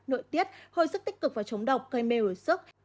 nội tiết hồi sức tích cực và chống độc gây mê hồi sức